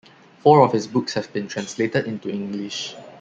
Four of his books have been translated into English.